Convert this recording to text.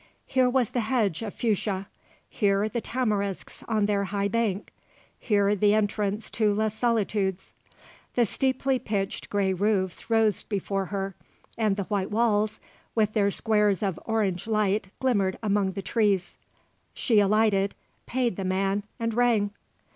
Here was the hedge of fuchsia; here the tamarisks on their high bank; here the entrance to Les Solitudes. The steeply pitched grey roofs rose before her, and the white walls with their squares of orange light glimmered among the trees. She alighted, paid the man, and rang.